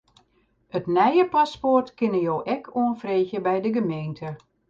It nije paspoart kinne jo ek oanfreegje by de gemeente.